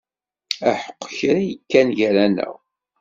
Aḥeq kra yekkan gar-aneɣ.